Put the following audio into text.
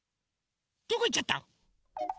どこいっちゃった？